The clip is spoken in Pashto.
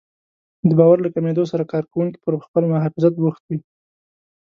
د باور له کمېدو سره کار کوونکي پر خپل محافظت بوخت وي.